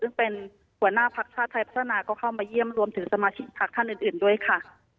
ซึ่งเป็นหัวหน้าพักชาติไทยพัฒนาก็เข้ามาเยี่ยมรวมถึงสมาชิกพักท่านอื่นด้วยค่ะ